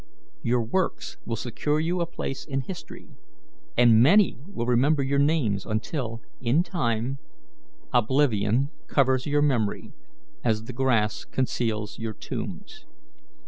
Your works will secure you a place in history, and many will remember your names until, in time, oblivion covers your memory as the grass conceals your tombs.